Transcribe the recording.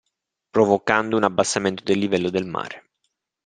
Provocando un abbassamento del livello del mare.